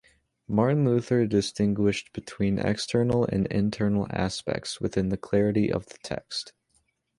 Martin Luther distinguished between external and internal aspects within the clarity of the text.